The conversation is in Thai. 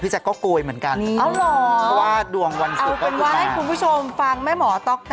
พี่แจ๊กก็กูยเหมือนกันเพราะว่าดวงวันสุดก็กูยมาอ๋อเหรอ